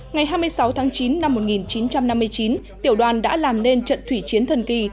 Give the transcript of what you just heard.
ngày hai mươi sáu tháng chín năm một nghìn chín trăm năm mươi chín tiểu đoàn đã làm nên trận thủy chiến thần kỳ